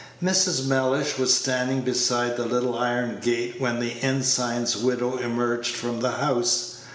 Mrs. Mellish was standing beside the little iron gate when the ensign's widow emerged from the house.